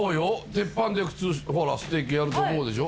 鉄板で普通ステーキやると思うでしょ？